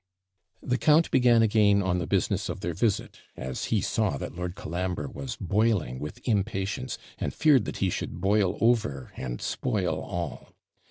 The count began again on the business of their visit, as he saw that Lord Colambre was boiling with impatience, and feared that he should BOIL OVER, and spoil all.